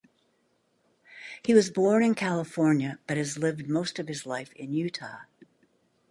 He was born in California but has lived most of his life in Utah.